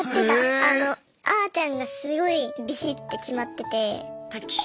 あーちゃんがすごいビシッて決まってて。